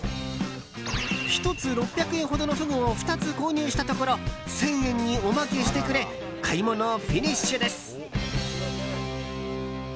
１つ６００円ほどのフグを２つ購入したところ１０００円におまけしてくれ買い物フィニッシュです。